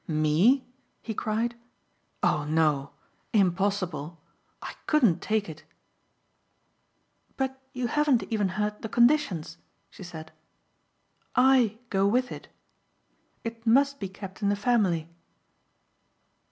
"Me?" he cried, "Oh no! Impossible. I couldn't take it." "But you haven't even heard the conditions," she said. "I go with it. It must be kept in the family."